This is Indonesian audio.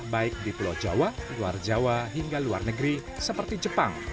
baik di pulau jawa luar jawa hingga luar negeri seperti jepang